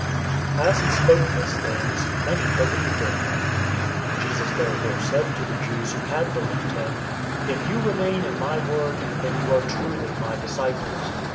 008:030 As he spoke these things, many believed in him. 008:031 Jesus therefore said to those Jews who had believed him, "If you remain in my word, then you are truly my disciples.